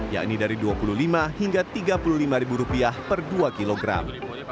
yakni dari dua puluh lima hingga tiga puluh lima ribu rupiah per dua kilogram